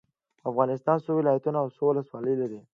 افغانستان څو ولايتونه او څو ولسوالي لري؟